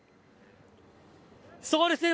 そうですね。